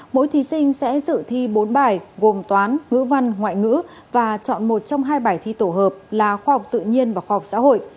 mỗi thí sinh sẽ dự thi bốn bài gồm toán ngữ văn ngoại ngữ và chọn một trong hai bài thi tổ hợp là khoa học tự nhiên và khoa học xã hội